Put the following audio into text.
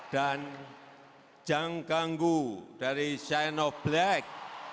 dan jang kanggu dari shine of black